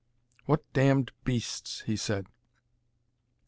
"What damned beasts!" he said.